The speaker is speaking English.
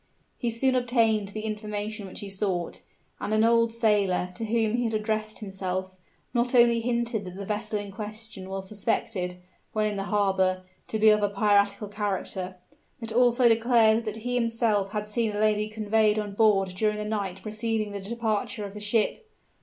He soon obtained the information which he sought; and an old sailor, to whom he had addressed himself, not only hinted that the vessel in question was suspected, when in the harbor, to be of piratical character, but also declared that he himself had seen a lady conveyed on board during the night preceding the departure of the ship.